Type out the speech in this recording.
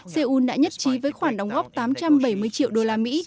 seoul đã nhất trí với khoản đóng góp tám trăm bảy mươi triệu đô la mỹ